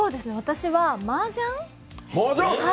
私はマージャン。